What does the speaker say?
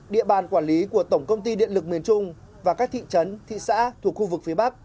địa bàn quản lý của tổng công ty điện lực miền trung và các thị trấn thị xã thuộc khu vực phía bắc